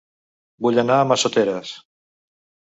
Vull anar a Massoteres